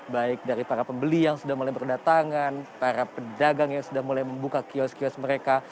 baik dari para pembeli yang sudah mulai berdatangan para pedagang yang sudah mulai membuka kios kios mereka